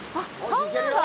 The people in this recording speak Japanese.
ハンバーガー？